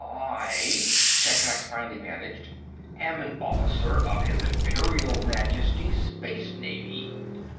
"I," Shatrak finally managed, "am an officer of his Imperial Majesty's Space Navy.